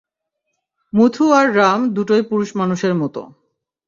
মুথু আর রাম দুটোই পুরুষ মানুষের মতো।